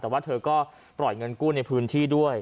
แต่ว่าเธอก็ปล่อยเงินกู้ในพื้นที่ด้วย